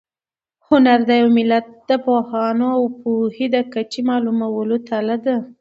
هنر د یو ملت د پوهانو او پوهې د کچې د معلومولو تله ده.